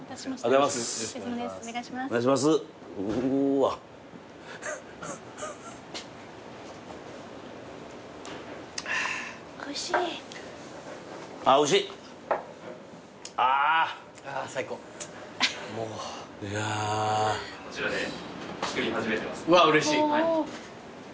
うわうれしい。